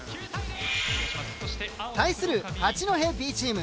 対する八戸Ｂチーム。